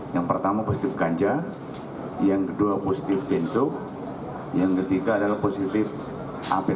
yang pertama positif ganja yang kedua positif bensu yang ketiga adalah positif apd